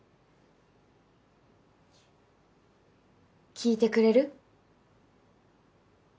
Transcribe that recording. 聞いてくれる？